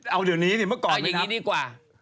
เอาเดี๋ยวนี้สิเมื่อก่อนไหมครับ